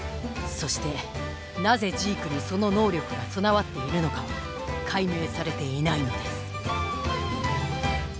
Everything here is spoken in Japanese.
そしてなぜジークにその能力が備わっているのかは解明されていないのです